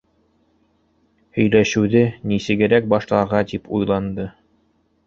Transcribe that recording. Һөйләшеүҙе нисегерәк башларға тип уйланды.